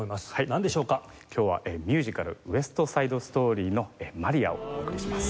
今日はミュージカル『ウエスト・サイド・ストーリー』の『マリア』をお送りします。